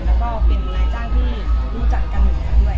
แล้วก็เป็นนายจ้างที่รู้จักกันกันด้วย